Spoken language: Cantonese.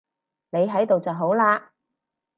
你喺度就好喇